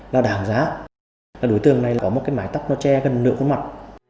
là đảm giá là đối tượng này có một cái mái tắc nó che gần nửa khuôn mặt